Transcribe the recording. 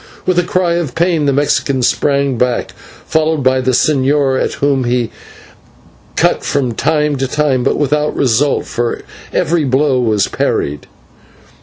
With a cry of pain, the Mexican sprang back, followed by the señor, at whom he cut from time to time, but without result, for every blow was parried.